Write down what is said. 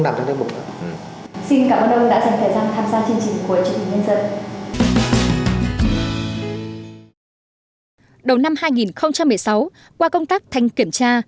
đầu năm hai nghìn một mươi sáu qua công tác thanh kiểm tra